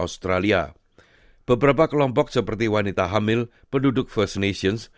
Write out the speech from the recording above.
beberapa kelompok seperti wanita hamil penduduk first nations